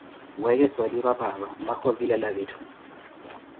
weekesa olipa paapa, mpakha ovilela vitthu.